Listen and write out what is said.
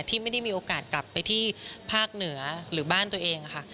ที่ไม่ได้มีโอกาสกลับไปที่ภาคเหนือหรือบ้านตัวเองค่ะ